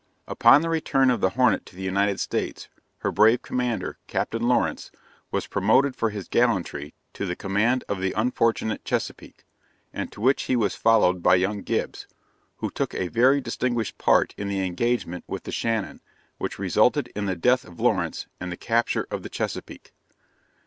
Upon the return of the Hornet to the United States, her brave commander, Capt. Lawrence, was promoted for his gallantry to the command of the unfortunate Chesapeake, and to which he was followed by young Gibbs, who took a very distinguished part in the engagement with the Shannon, which resulted in the death of Lawrence and the capture of the Chesapeake.